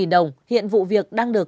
một trăm linh đồng hiện vụ việc đang được